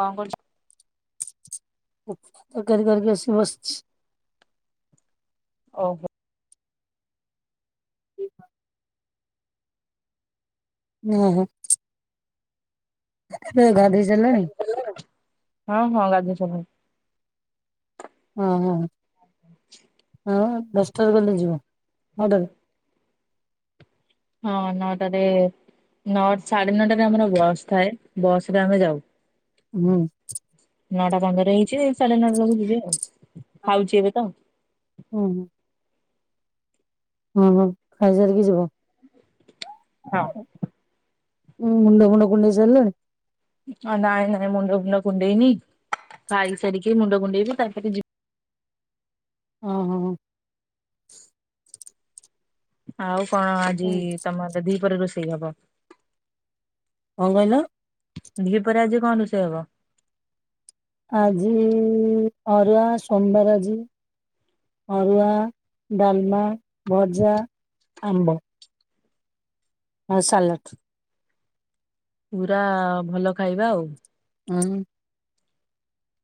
କଣ କରୁଚ? ତକାରି କରକି ଆସି ବସଚି। ଓହୋ। [inaudible] ଏ ହେ ହେ। [unintelligible] ଗାଧୋଇ ସାରଲଣି? ହଁ ହଁ ଗାଧେଇ ସାରଲି। ହଁ ହଁ ହ ଦଶଟାରେ ଗଲେ ଯିବ ର ହଁ ନଟା ରେ ନଅ ସାଢେ ନଅଟାରେ ଆମର ବସ୍ ଥାଏ ବସ ରେ ଆମେ ଯାଉ। ହୁଁ। ମ ନଅଟା ପନ୍ଦର ହେଇଚି ସାଢେ ନଅଟା ବେଳକୁ ଯିବେ ଆଉ ଖାଉଚି ଏବେ ତ। ହୁଁ ହୁଁ। ହଁ ହ ଖାଇ ସାରିକି ଯିବ। ହଁ। ଉମ୍ ମୁଣ୍ଡ ଫୁଣ୍ଡ କୁଣ୍ଡେଇ ସାରିଲଣି? ଅ ନାଇଁ ନାଇଁ ମୁଣ୍ଡ ଫୁଣ୍ଡ କୁଣ୍ଡେଇନି ଖାଇ ସାରିକି ମୁଣ୍ଡ କୁଣ୍ଡେଇବି ତାପରେ ଯିବି। ଓହୋ। ଆଉ କଣ ଆଜି ତମର ଦିପହରେ ରୋଷେଇ ହବ? କଣ କହିଲ? ଦିପହରେ ଆଜି କଣ ରୋଷେଇ ହବ? ଆଜି ଅରୁଆ ସୋମବାର ଆଜି। ଅରୁଆ, ଡାଲମା, ଭଜା, ଆମ୍ବ। ଆଉ ସାଲାଟ୍। ପୁରା ଭଲ ଖାଇବା ଆଉ। ହୁଁ।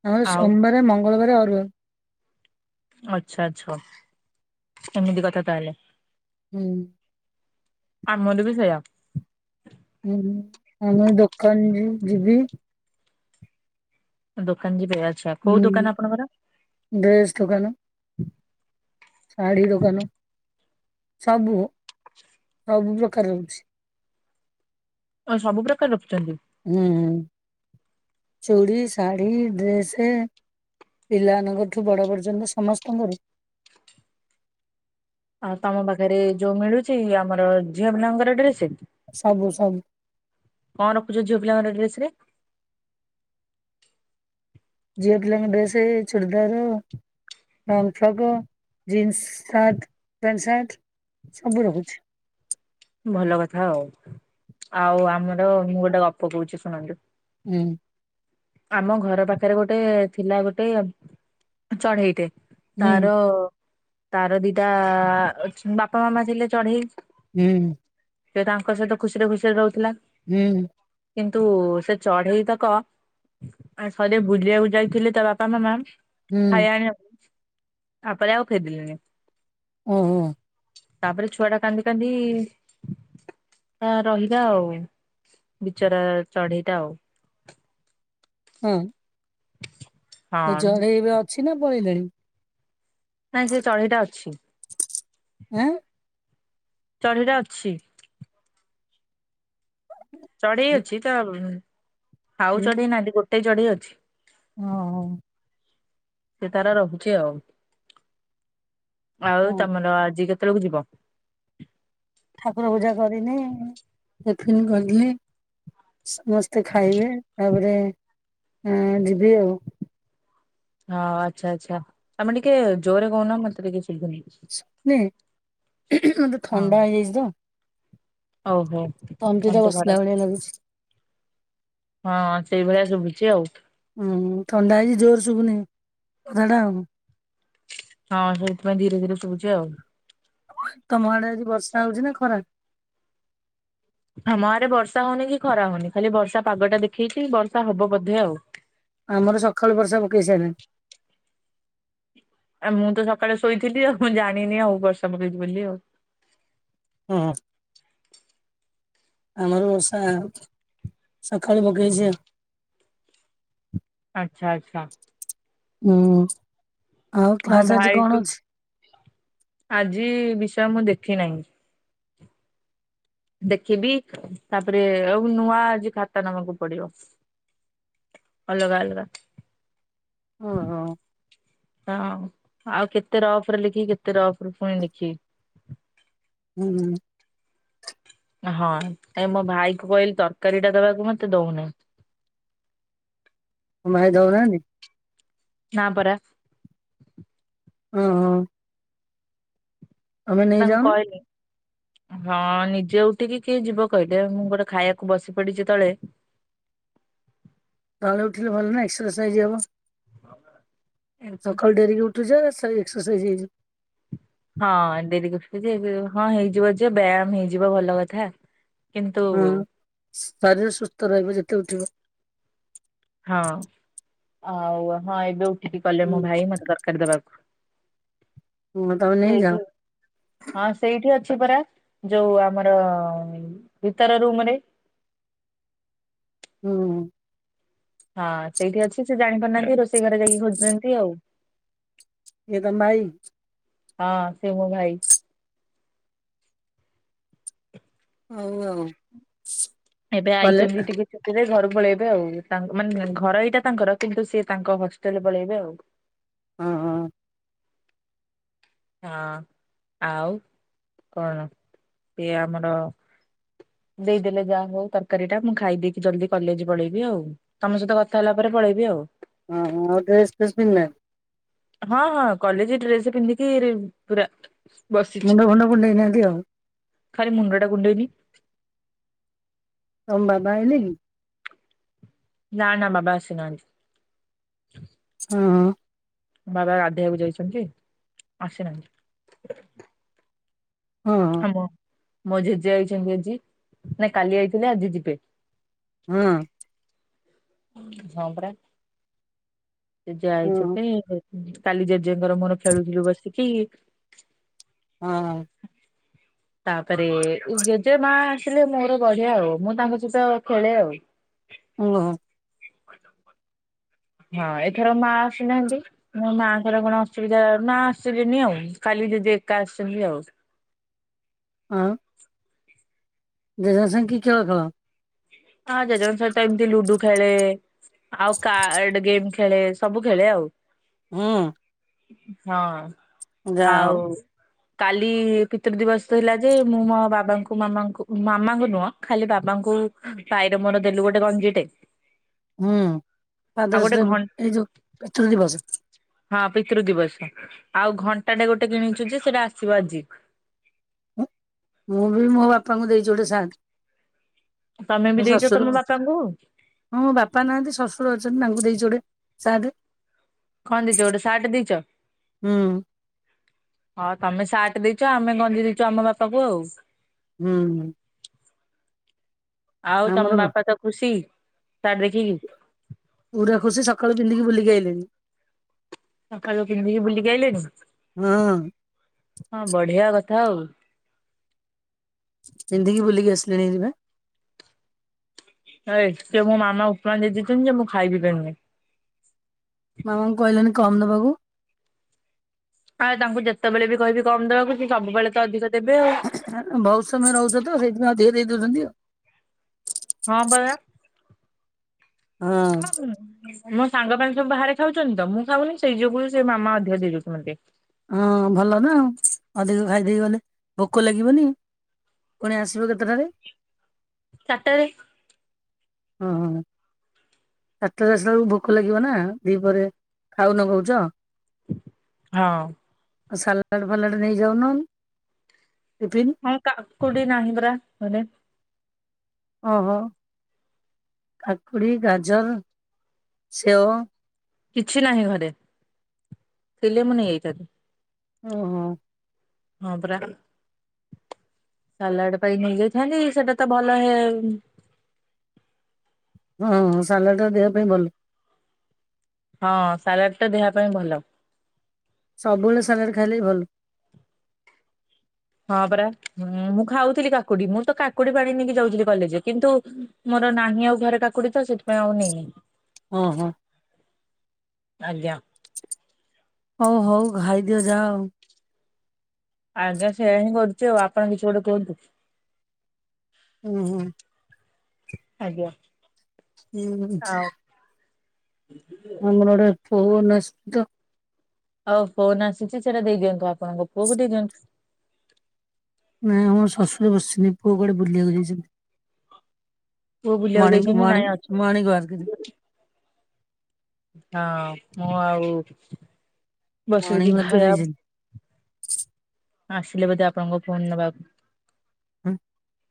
ହଁ ଆଉ ସୋମବାରେ, ମଙ୍ଗଳବାର ଅରୁଆ। ଆଛା ଆଛା ହଉ ଏମିତି କଥା ତାହାଲେ। ହୁଁ। ଆମର ବି ସେଇୟା। ହୁଁ ଆଉ ମୁ ଦୋକାନ ଯି ଯିବି ଦୋକାନ ଯିବେ ଆଚ୍ଛା କୋଉ ଦୋକାନ ଆପଣଙ୍କର? ଡ୍ରେସ୍ ଦୋକାନ। ଶାଢୀ ଦୋକାନ ସବୁ। ସବୁ ପ୍ରକାର ରହୁଛି ଅ ସବୁ ପ୍ରକାର ରଖୁଛନ୍ତି ହୁଁ ଚୁଡ଼ି, ସାଢି, ଡ୍ରେସେ ପିଲାମାନଙ୍କଠୁ ବଡ ପର୍ଯ୍ୟନ୍ତ ସମସ୍ତଙ୍କର ଆଉ ତମ ପାଖରେ ଯୋଉ ମିଳୁଛି ଆମର ଝିଅ ପିଲାଙ୍କର ଡ୍ରେସେ? ସବୁ ସବୁ। କଣ ରଖୁଛ ଝିଅ ପିଲାଙ୍କ ଡ୍ରେସ୍ ରେ? ଝିଅ ପିଲାଙ୍କ ଡ୍ରେସେ churidar. Long frock, jeans shirt, pant shirt ସବୁ ରହୁଛି। ଭଲ କଥା ଆଉ ଆଉ ଆମର ମୁଁ ଗୋଟେ ଗପ କହୁଛି ଶୁଣନ୍ତୁ। ହୁଁ। ଆମ ଘର ପାଖରେ ଗୋଟେ ଥିଲା ଗୋଟେ ଚଢେଇଟେ ହୁଁ ତାର ତାର ଦିଟା ଅ ବାପା ମାମା ଥିଲେ ଚଢେଇ ହୁଁ। ସେ ତାଙ୍କ ସହିତ ଖୁସିରେ ଖୁସିରେ ରହୁଥିଲା। ହୁଁ। କିନ୍ତୁ ସେ ଚଢେଇ ତକ ଆଉ ଥରେ ବୁଲିବାକୁ ଯାଇଥିଲେ ତା ବାପା ମାମା ହୁଁ ଖାଇବା ଆଣିବାକୁ ତାପରେ ଆଉ ଫେରିଲେନି ଓହୋ। ତାପରେ ଛୁଆ ଟା କାନ୍ଦି କାନ୍ଦି ରହିଲା ଆଉ ବିଚରା ଚଢେଇଟା ଆଉ ହୁଁ। ଏ ହଁ ଚଢେଇ ଏବେ ଅଛି ନା ପଳେଇଲାଣି? ନାଇଁ ସେ ଚଢ଼େଇଟା ଅଛି। ଆଁ ଚଢ଼େଇଟା ଅଛି। ଚଢେଇ ଅଛି ତ ଆଉ ଚଢେଇ ନାହାନ୍ତି ଗୋଟେ ଚଢେଇ ଅଛି। ଓହୋ। ସେ ତାର ରହୁଛି ଆଉ। ଆଉ ହଁ ତମର ଆଜି କେତେବେଳକୁ ଯିବ? ଠାକୁର ପୂଜା କରିନି। ଟିଫିନ୍ କରିନି। ସମସ୍ତେ ଖାଇବେ ତାପରେ ଆ ଯିବେ ଆଉ। ହଁ ଆଚ୍ଛା ଆଚ୍ଛା। ତମେ ଟିକେ ଜୋରେ କହୁନ। ମତେ ଟିକେ ଶୁଭୁନି। ଶୁଭୁନି? ମତେ ଥଣ୍ଡା ହେଇଯାଇଛି ତ। ହଉ ହଉ। ତଣ୍ଟିଟା ବସିଲା ଭଳିଆ ଲାଗୁଛି। ହଁ ସେଇଭଳିଆ ଶୁଭୁଛି ଆଉ। ହୁଁ ଥଣ୍ଡା ହେଇଛିି। ଜୋର ଶୁଭୁନି କଥାଟା ଆଉ। ହଁ ସେଇଥିପାଇଁ ଧିରେ ଧିରେ ଶୁଭୁଛି ଆଉ। ତମ ଆଡେ ଆଜି ବର୍ଷା ହଉଛି ନା ଖରା? ଆମ ଆଡେ ବର୍ଷା ହଉନି କି ଖରା ହଉନି। ଖାଲି ବର୍ଷା ପାଗଟା ଦେଖେଇଛି ବର୍ଷା ହବ ବୋଧେ ଆଉ। ଆମର ସକାଳୁ ବର୍ଷା ପକେଇ ସାଇଲାଣି। ଆ ମୁଁ ତ ସକାଳେ ଶୋଇଥିଲି ଆଉ। ମୁଁ ଜାଣିନି ଆଉ ବର୍ଷା ପକେଇଛି ବୋଲି ଆଉ। ହଁ। ଆମର ବର୍ଷା ସକାଳୁ ପକେଇଛି ଆଉ। ଆଚ୍ଛା ଆଚ୍ଛା। ହୁଁ। ଆଉ ମୋ କ୍ଲାସ ଆଜି କଣ ଭାଇକୁ ଅଛି? ଆଜି ବିଷା ମୁଁ ଦେଖି ନାହିଁ। ଦେଖିବି ତାପରେ ଆଉ ନୂଆ ଆଜି ଖାତା ନବାକୁ ପଡିବ। ଅଲଗା ଅଲଗା। ଓହୋ ହଁ ଆଉ କେତେ ରଫରେ ଲେଖିକି କେତେ ରଫରେ ପୁଣି ଲେଖିବି। ହୁଁ। ହଁ ଏ ମୋ ଭାଇ କୁ କହିଲି ତରକାରୀଟା ଦବାକୁ ମତେ ଦଉନି। ଭାଇ ଦଉ ନାହାନ୍ତି? ନାଁ ପରା। [inaudible] ତମେ ମୁଁ ତାଙ୍କୁ ନେଇଯାଉନ କହିଲି। ହଁ ନିଜେ ଉଠିକି କିଏ ଯିବ କହିଲେ। ମୁଁ ଗୋଟେ ଖାଇବାକୁ ବସି ପଡିଛି ତଳେ। ତଳେ ଉଠିଲେ ଭଲ ନା ଏକ୍ସରସାଇଜ୍ ହବ। ସକାଳୁ ଡେରିରେ ଉଠୁଚେ ସେଇ ଏକ୍ସରସାଇଜ୍ ହେ ହଁ ଡେରିରେ ଉଠୁଚେ। ହଁ ହେଇଯିବ ଯେ ବ୍ୟାୟାମ ହେଇଯିବ ଭଲ କଥା। କିନ୍ତୁ ହୁଁ ହଁ ଶରୀର ସୁସ୍ଥ ରହିବ ଯେତେ ଉଠିବ। ହଁ ଆଉ ହଁ ଏବେ ଉଠିକି ଗ଼ଲେ ମୋ ଭାଇ ମତେ ତରକାରୀ ଦବାକୁ। ହୁଁ ତମେ ନେଇଯାଅ ସେଇଠୁ। ହଁ ସେଇଠି ଅଛି ପରା। ଯୋଉ ଆମର ଭିତର ରୁମରେ। ହୁଁ। ହଁ ସେଇଠି ଅଛି ସେ ଜାଣି ପାରୁନାହାନ୍ତି ରୋଷେଇ ଘରେ ଯାଇକି ଖୋଜୁଚନ୍ତି ଆଉ। କିଏ ତମ ଭାଇ। ହଁ ସେ ମୋ ଭାଇ। ହଉ ଆଉ। ଏବେ କଲେ ଆଇଚନ୍ତି [unintelligible] ଛୁଟିରେ ଘରକୁ ପଳେଇବେ ଆଉ। ତାଙ୍କ ମାନେ ଘର ଏଇଟା ତାଙ୍କର କିନ୍ତୁ ସିଏ ତାଙ୍କ ହଷ୍ଟେଲ ପଳେଇବେ ଆଉ। ହଁ ହଁ। ହଁ ଆଉ କଣ ଏ ଆମର ଦେଇଦେଲେ ଯାହା ହଉ ତରକାରୀ ଟା ମୁଁ ଖାଇ ଦେଇକି ଜଲଦି କଲେଜ ପଳେଇବି ଆଉ। ତମ ସହିତ କଥା ହେଲା ପରେ ପଳେଇବି ଆଉ। ହଁ ହଁ ଡ୍ରେସ୍ ଫେସ୍ ପିନ୍ଧଲେ? ହଁ ହଁ କଲେଜେ ଡ୍ରେସ ପିନ୍ଧିକିରି ପୁରା ବସିଛି। ମୁଣ୍ଡ ଫୁଣ୍ଡ କୁଣ୍ଡେଇ ନାହାନ୍ତି ଆଉ। ଖାଲି ମୁଣ୍ଡଟା କୁଣ୍ଡେଇନି। ତମ ବାବା ଆଇଲେ କି? ନା ନା ବାବା ଆସିନାହାନ୍ତି। ହଁ। ବାବା ଗାଧେଇବାକୁ ଯାଇଛନ୍ତି ଆସିନାହାନ୍ତି। ହଁ। ହଁ ମୋ ଜେଜେ ଆଇଛନ୍ତି ଆଜି ନା କାଲି ଆଇଥିଲେ ଆଜି ଯିବେ। ହଁ। ହଁ ପରା ଜେଜେ ହଁ ହଁ ହଁ। ଆଇଛନ୍ତି କାଲି ଜେଜେଙ୍କର ମୋର ଖେଳୁଥିଲୁ ବସିକି। ହଁ। ତାପରେ ଜେଜେମାଆ ଆସିଲେ ମୋର ବଢିଆ ଆଉ ମୁଁ ତାଙ୍କ ସହିତ ଖେଳେ ଆଉ। [unintelligible] [unintelligible] ହଁ ଏଥର ମା ଆସିନାହାନ୍ତି। ମୋ ମାଆଙ୍କର କଣ ଅସୁବିଧା ନା ଆସିଲେନି ଆଉ କାଲି ଜେଜେ ଏକା ଆସିଛନ୍ତି ଆଉ। ହଁ। ଜେଜଙ୍କ ସାଙ୍ଗେ କି ଖେଳ ଖେଳ? ହଁ ଜେଜେଙ୍କ ସହିତ ଏମତି ଲୁଡୁ ଖେଳେ ଆଉ କାର୍ଡ ଗେମ୍ ଖେଳେ। ସବୁ ଖେଳେ ଆଉ। ହୁଁ। ହଁ ଯାହା ହଉ। ଆଉ କାଲି ପିତୃ ଦିବସ ଥିଲା ଯେ ମୁଁ ମୋ ବାବାଙ୍କୁ ମାମାଙ୍କୁ ମାମାଙ୍କୁ ନୁହଁ। ଖାଲି ବାବାଙ୍କୁ ଭାଇର ମୋର ଦେଲୁ ଗୋଟେ ଗଞ୍ଜିଟେ। ହୁଁ ଆଉ ଫାଦର୍ସ ଗୋଟେ ଡେ ଘ ଏଇ ଯୋଉ ପିତୃ ଦିବସ। ହଁ ପିତୃ ଦିବସ ଆଉ ଘଣ୍ଟାଟେ ଗୋଟେ କିଣିଛୁ ଯେ ସେଇଟା ଆସିବ ଆଜି। ମୁଁ ବି ମୋ ବାପାଙ୍କୁ ଦେଇଚି ଗୋଟେ ସାର୍ଟ। ତମେ ମୋ ବି ଦେଇଚ ଶ୍ୱଶୁର ତମ ବାପାଙ୍କୁ? ହଁ ବାପା ନାହାନ୍ତି ଶଶୁର ଅଛନ୍ତି ତାଙ୍କୁ ଦେଇଚି ଗୋଟେ ସାଟେ। କଣ୍ ଦେଇଚ ଗୋଟେ ସାର୍ଟ ଦେଇଚ? ହୁଁ ହଁ ତମେ ସାର୍ଟ ଦେଇଚ ଆମେ ଗଞ୍ଜି ଦେଇଚୁ ଆମ ବାପାକୁ ଆଉ। ହୁଁ। ଆଉ ତମ ଆମର ବାପା ତ ଖୁସି ସାର୍ଟ ଦେଖିକି? ପୁରା ଖୁସି ସକାଳୁ ପିନ୍ଧିକି ବୁଲିକି ଆଇଲେଣି। ସଖାଳୁ ପିନ୍ଧିକି ବୁଲିକି ଆଇଲେଣିି? ହଁ। ହଁ ବଢିଆ କଥା ଆଉ। ପିନ୍ଧିକି ବୁଲିକି ଆସ‌୍ଲେଣି ହେରି ବା। ଏ ମୋ ମାମା ଉପମା ଦେଇଛନ୍ତି ଯେ ମୁଁ ଖାଇବି ପାରୁନି। ମାମାଙ୍କୁ କହିଲନି କମ ଦବାକୁ ଆଉ ତାଙ୍କୁ ଯେତେବେଳେ ବି କହିବି କମ ଦେବାକୁ ସେ ସବୁବେଳେ ତ ଅଧିକ ଦେବେ ଆଉ। ବହୁତ ସମୟ ରହୁଛ ତ ସେଇଥିପାଇଁ ଅଧିକ ଦେଇ ଦଉଛନ୍ତି ଆଉ। ହଁ ପରା ମୋ ସାଙ୍ଗମାନେ ସବୁ ବାହାରେ ଖାଉଛନ୍ତି ତ ମୁଁ ଖାଉନି ସେଇ ଯୋଗୁ ସେ ମାମା ଅଧିକ ଦେଇ ଯଉଛନ୍ତି। ହଁ ଭଲ ନା ଅଧିକ ଖାଇଦେଇ ଗଲେ ଭୋକ ଲାଗିବନି। ପୁଣି ଆସିବ କେତେଟାରେ? ଚାରିଟାରେ। ହଁ, ହଁ। ଚାରିଟାରେ ଆସିଲା ବେଳକୁ ଭୋକ ଲାଗିବ ନା ଦିପହରେ ଖାଉନ କହୁଛ। ହଁ। ଆଉ ସାଲାଡ଼ ଫାଲାଡ଼ ନେଇଯାଉନ ଟିଫିନ୍। ହଁ କାକୁଡି ନାହିଁ ପରା ଘରେ। ଓହୋ, କାକୁଡ଼ି, ଗାଜର, ସେଓ। କିଛି ନାହିଁ ଘରେ, ଥିଲେ ମୁଁ ନେଇ ଆଇଥାନ୍ତି। ଓହୋ! ହଁ ପରା। ସାଲାଡ ପାଇଁ ନେଇଯାଇଥାନ୍ତି ସେଟା ତ ଭଲ ହେ। ହଁ ହଁ ସାଲାଡ଼ଟା ଦେହ ପାଇଁ ଭଲ। ହଁ ସାଲାଡ଼ ଟା ଦେହ ପାଇଁ ଭଲ। ସବୁବେଳେ ସାଲାଡ଼ ଖାଇଲେ ବି ଭଲ। ହଁ ପରା ମୁଁ ଖାଉଥିଲି କାକୁଡି। ମୁଁ ତ କାକୁଡି ପାଣି ନେଇକି ଯାଉଥିଲି କଲେଜ କିନ୍ତୁ, ମୋର ନାହିଁ ଆଉ ଘରେ କାକୁଡ଼ି ତ ସେଥିପାଇଁ ଆଉ ନେଇନି। ହଁ ହଁ। ଆଜ୍ଞା। ହଉ ହଉ ଘାଇଦିଅ ଯା ଆଉ। ଆଜ୍ଞା ସେୟଆ ହିଁ କରୁଛି ଆଉ ଆପଣ କିଛି ଗୋଟେ କୁହନ୍ତୁ। ହୁଁ ହୁଁ। ଆଜ୍ଞା, ହୁଁ ଆଉ? ମୋର ଗୋଟେ ଫୋନ୍ ଆସି ତ? ହଉ ଫୋନ୍ ଆସିଛି, ସେଟା ଦେଇଦିଅନ୍ତୁ ଆପଣଙ୍କ ପୁଅକୁ ଦେଇଦିଅନ୍ତୁ। ନାଇଁ ଆମ ଶ୍ୱଶୁରରେ ବସିନି, ପୁଅ କୁଆଡେ ବୁଲିବାକୁ ଯାଇଛନ୍ତି। ପୁଅ ବୁଲିବାକୁ ମର୍ଣ୍ଣିଙ୍ଗ୍, ଯାଇଛନ୍ତି ନାଇଁ ମର୍ଣ୍ଣିଙ୍ଗ୍, ଅଛନ୍ତି ମର୍ଣ୍ଣିଙ୍ଗ୍ ୱାର୍କ୍। ହଁ ମୁଁ ଆଉ ମର୍ଣ୍ଣିଂ ବସୁଚି ୱାର୍କରେ ଖାଇବାକୁ। ଯାଇଛନ୍ତି। ଆସିଲେ ବୋଧେ ଆପଣଙ୍କ ଫୋନ୍ ନବାକୁ। [inaudible]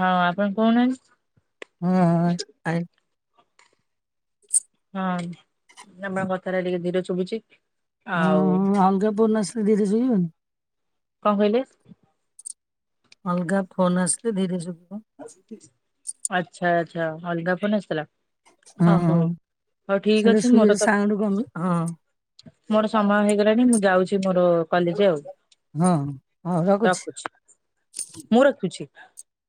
ହଁ ଆପଣ କଉ ନାହାନ୍ତି? ହଁ ଆ [inaudible] ହଁ ତମ କଥାଟା ଟିକେ ଧୀରେ ଶୁଭୁଚି। ହଁ ହଁ ଅଲଗା ଫୋନ୍ ଆସିଲେ ଦିଦି ଶୁଭିବନି? କଣ କହିଲେ? ଅଲଗା ଫୋନ୍ ଆସିଲେ ଧୀରେ ଶୁଭିବ। ଆଚ୍ଛା, ଆଛା, ଅଲଗା ଫୋନ୍ ଆସିଥିଲା? ହଁ ଓ ହଁ ହଉ, ହଉ ଠିକ ସେଇଟା ଅଛି ଶୁଏ ମୋର ତ। ସାଉଣ୍ଡ କମି ହଁ। ମୋର ସମୟ ହେଇଗଲାଣି, ମୁଁ ଯାଉଛି ମୋର କଲେଜେ ଆଉ। ହଁ ରଖୁଛି, ମୁଁ ରଖୁଛି।